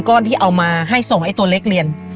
ที่เอามาให้ส่งไอ้ตัวเล็กเรียน